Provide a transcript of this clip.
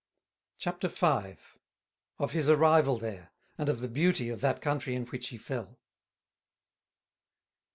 CHAPTER V. _Of his Arrival there, and of the Beauty of that Country in which he fell.